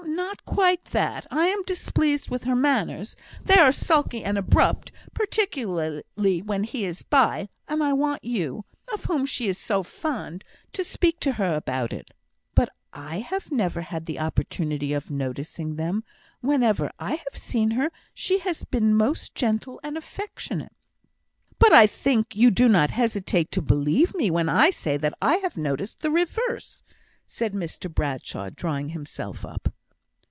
not quite that; I am displeased with her manners they are sulky and abrupt, particularly when he is by and I want you (of whom she is so fond) to speak to her about it." "But I have never had the opportunity of noticing them. Whenever I have seen her, she has been most gentle and affectionate." "But I think you do not hesitate to believe me, when I say that I have noticed the reverse," said Mr Bradshaw, drawing himself up.